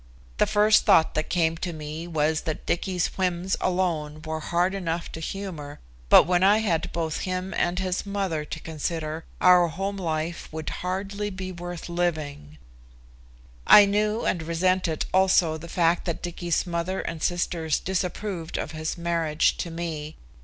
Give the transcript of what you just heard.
The first thought that came to me was that Dicky's whims alone were hard enough to humor, but when I had both him and his mother to consider our home life would hardly be worth the living. I knew and resented also the fact that Dicky's mother and sisters disapproved of his marriage to me.